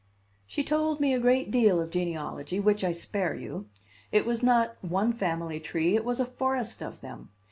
She told me a great deal of genealogy, which I spare you; it was not one family tree, it was a forest of them.